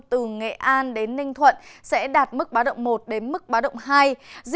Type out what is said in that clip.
từ nghệ an đến ninh thuận sẽ đạt mức bá động một đến mức bá động hai